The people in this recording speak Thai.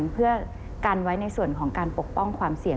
เพื่อกันไว้ในส่วนของการปกป้องความเสี่ยง